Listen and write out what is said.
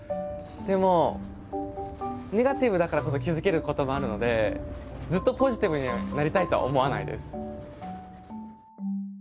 でもネガティブだからこそ気付けることもあるのでずっとポジティブになりたいとは思わないです。